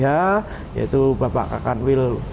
yaitu bapak akan wil